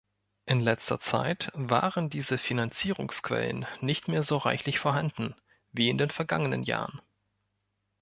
In letzter Zeit waren diese Finanzierungsquellen nicht mehr so reichlich vorhanden wie in den vergangenen Jahren.